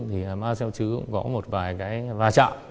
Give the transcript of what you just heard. thì ma xeo trứ cũng có một vài cái va chạm